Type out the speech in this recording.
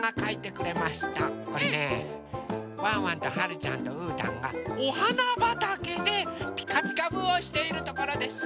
これねワンワンとはるちゃんとうーたんがおはなばたけで「ピカピカブ！」をしているところです。